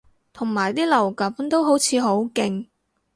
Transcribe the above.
同埋啲流感都好似好勁